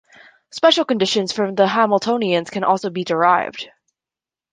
Special conditions for the Hamiltonian can also be derived.